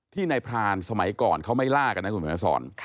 ในพรานสมัยก่อนเขาไม่ล่ากันนะคุณเขียนมาสอน